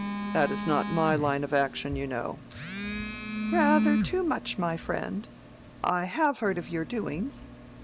That is not my line of action, you know." "Ra a ther too much, my friend. I have heard of your doings.